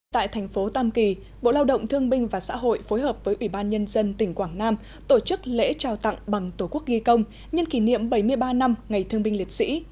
tại thành phố tam kỳ bộ lao động thương binh và xã hội phối hợp với ủy ban nhân dân tỉnh quảng nam tổ chức lễ trao tặng bằng tổ quốc ghi công nhân kỷ niệm bảy mươi ba năm ngày thương binh liệt sĩ